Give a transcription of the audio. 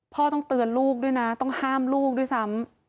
ต้องเตือนลูกด้วยนะต้องห้ามลูกด้วยซ้ำ